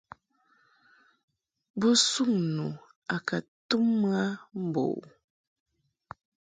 Bo suŋ nu a ka tum mɨ a mbo u.